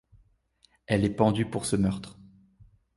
Elle est pendue pour ce meurtre.